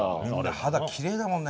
肌きれいだもんね。